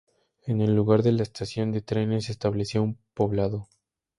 En el lugar de la estación de trenes se estableció un poblado.